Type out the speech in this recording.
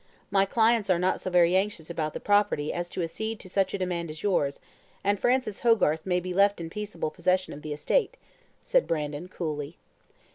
My clients are not so very anxious about the property as to accede to such a demand as yours, and Francis Hogarth may be left in peaceable possession of the estate," said Brandon, coolly.